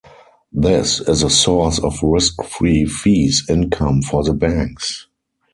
This is a source of risk free fees income for the banks.